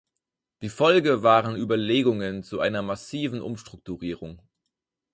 Die Folge waren Überlegungen zu einer massiven Umstrukturierung.